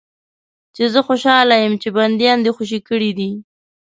چې زه خوشاله یم چې بندیان دې خوشي کړي دي.